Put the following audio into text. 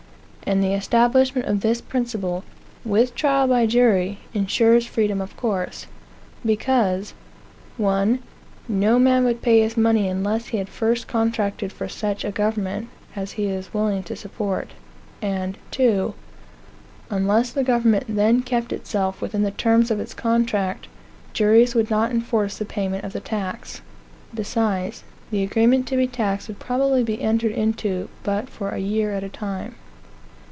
And the establishment of this principle, with trial by jury, insures freedom of course; because:1. No man would pay his money unless he had first contracted for such a government as he was willing to support; and,2. Unless the government then kept itself within the terms of its contract, juries would not enforce the payment of the tax. Besides, the agreement to be taxed would probably be entered into but for a year at a time.